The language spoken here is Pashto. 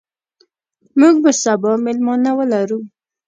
موږ به سبا مېلمانه ولرو.